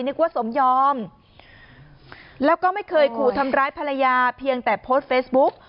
นึกว่าสมยอมแล้วก็ไม่เคยขู่ทำร้ายภรรยาเพียงแต่โพสต์เฟซบุ๊ก